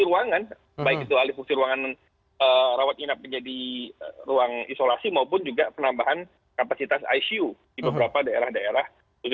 ruangan baik itu alih fungsi ruangan rawat inap menjadi ruang isolasi maupun juga penambahan kapasitas icu di beberapa daerah daerah